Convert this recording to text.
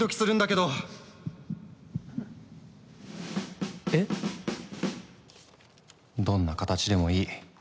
どんな形でもいい。